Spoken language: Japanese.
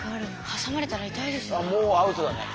はさまれたら痛いですよね。